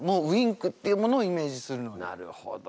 なるほど。